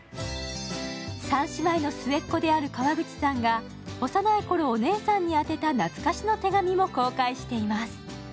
３姉妹の末っ子である川口さんが、お姉さんに宛てた懐かしの手紙も公開しています。